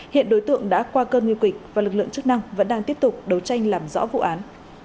hiện đối tượng đã qua cơn nguy kịch và lực lượng chức năng vẫn đang tiếp tục đấu tranh làm rõ vụ án